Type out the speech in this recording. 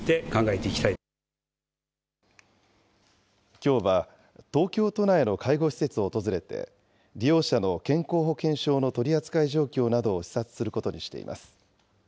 きょうは東京都内の介護施設を訪れて、利用者の健康保険証の取り扱い状況などを視察することにしています。